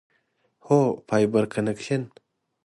هو، فایبر کنکشن